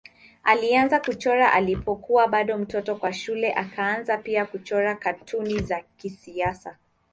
Alianza kuchora alipokuwa bado mtoto wa shule akaanza pia kuchora katuni za kisiasa.